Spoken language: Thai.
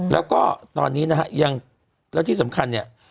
แล้วก็ตอนนี้นะฮะยังแล้วที่สำคัญเนี่ย